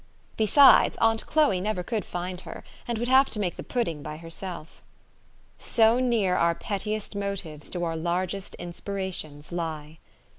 Besides, aunt Chloe never could find her, and would have to make the pudding by herself. So near our pettiest motives do our largest in spirations lie